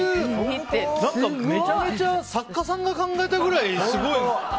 めちゃめちゃ作家さんが考えたくらいすごい。